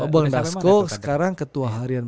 bang dasko sekarang ketua harian